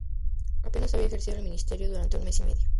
Apenas había ejercido el ministerio durante un mes y medio.